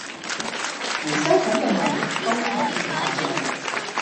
回收桶既內容都可以下載